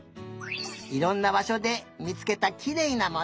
いろんなばしょでみつけたきれいなもの。